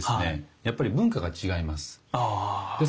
やっぱり文化が違います。